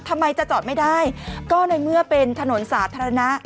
ทำไมจะจอดไม่ได้ก็ในเมื่อเป็นถนนสาธารณะ